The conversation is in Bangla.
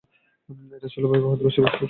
এটা ছিল ভয়াবহ দিবসের শাস্তি।